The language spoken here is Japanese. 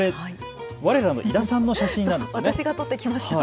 われらの井田さんの写真なんですよね。